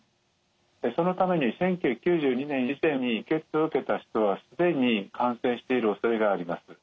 そのために１９９２年以前に輸血を受けた人は既に感染しているおそれがあります。